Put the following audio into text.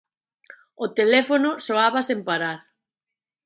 O teléfono soaba sen parar.